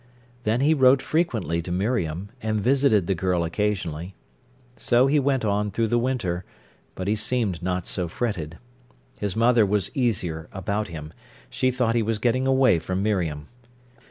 Then he wrote frequently to Miriam, and visited the girl occasionally. So he went on through the winter; but he seemed not so fretted. His mother was easier about him. She thought he was getting away from Miriam.